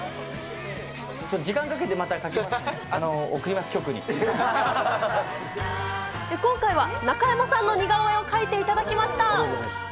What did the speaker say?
時間かけてまた描きます、今回は中山さんの似顔絵を描いていただきました。